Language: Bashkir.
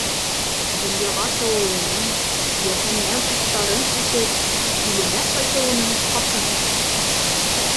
Донъяға тыуыуының, йәһәннәм уттарын үтеп, иленә ҡайтыуының хаҡын ҡайтарҙы.